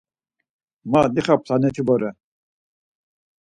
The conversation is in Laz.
Ma dixa planet̆i vore.